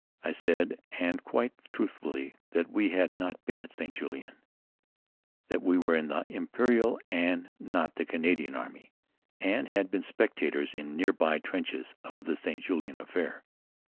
I said and quite truthfully that we had not been at St. Julien, that we were in the Imperial and not the Canadian Army and had been spectators in near by trenches of the St. Julien affair.